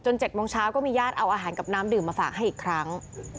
๗โมงเช้าก็มีญาติเอาอาหารกับน้ำดื่มมาฝากให้อีกครั้ง